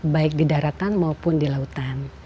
baik di daratan maupun di lautan